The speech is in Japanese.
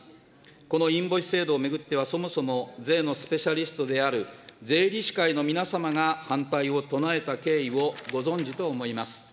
このインボイス制度を巡っては、そもそも、税のスペシャリストである税理士会の皆様が反対を唱えた経緯をご存じと思います。